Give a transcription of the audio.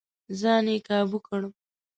ځان يې کابو کړ.